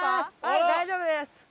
はい大丈夫です。